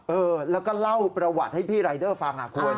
เออแล้วก็เล่าประวัติให้พี่รายเดอร์ฟังคุณ